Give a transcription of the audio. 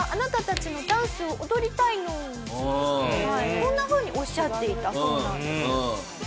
こんな風におっしゃっていたそうなんです。